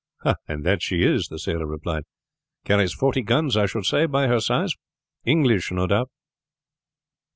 "And that she is," the sailor replied. "Carries forty guns, I should say, by her size. English, no doubt.